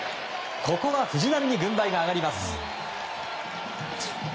ここは藤浪に軍配が上がります。